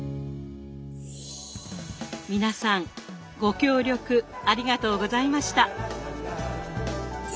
皆さんご協力ありがとうございました。